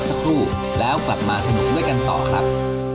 ก็เป็นบริเวณของประเทศเพื่อนบ้านอิตองจากด้านหลังผมเนี่ยนะครับ